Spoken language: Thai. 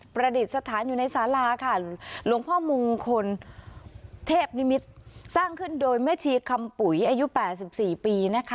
ประดิษฐานอยู่ในสาราค่ะหลวงพ่อมงคลเทพนิมิตรสร้างขึ้นโดยแม่ชีคำปุ๋ยอายุ๘๔ปีนะคะ